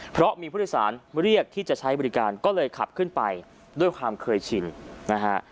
เพราะมีผู้โดยสารเรียกที่จะใช้บริการก็เลยขับขึ้นไปด้วยความเคยชินนะฮะ